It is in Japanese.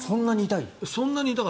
そんなに痛い？